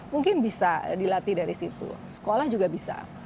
mungkin bisa dilatih dari situ sekolah juga bisa